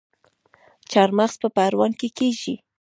چارمغز په پروان کې کیږي